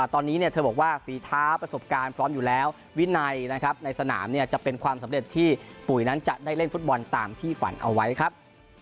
ตอนนี้เธอบอกว่าฝีเท้าประสบการณ์พร้อมอยู่แล้ววินัยนะครับในสนามจะเป็นความสำเร็จที่ปุ๋ยนั้นจะได้เล่นฟุตบอลตามที่ฝันเอาไว้ครับ